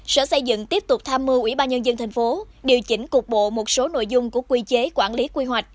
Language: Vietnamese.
sở xây dựng tiếp tục tham mưu ủy ban nhân dân tp hcm điều chỉnh cục bộ một số nội dung của quy chế quản lý quy hoạch